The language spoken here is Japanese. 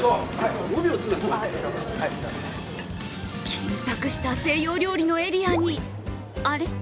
緊迫した西洋料理のエリアにあれっ？